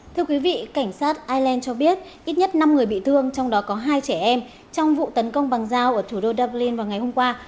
thưa quý vị cảnh sát ireland cho biết ít nhất năm người bị thương trong đó có hai trẻ em trong vụ tấn công bằng dao ở thủ đô dublin vào ngày hôm qua